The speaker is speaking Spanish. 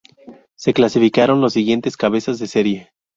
Se clasificaron los siguientes cabezas de serie:.